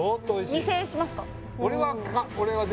２０００円しますか？